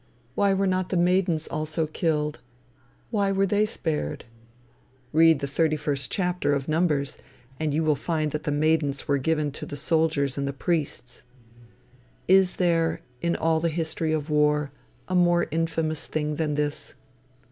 Why were not the maidens also killed? Why were they spared? Read the thirty first chapter of Numbers, and you will find that the maidens were given to the soldiers and the priests. Is there, in all the history of war, a more infamous thing than this?